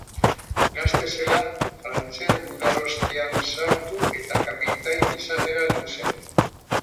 Gazte zela frantses gudarostean sartu eta kapitain izatera heldu zen.